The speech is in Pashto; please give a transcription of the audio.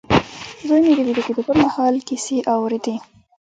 زوی مې د ويده کېدو پر مهال کيسې اورېدې.